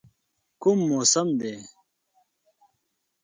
کوم موسم دی؟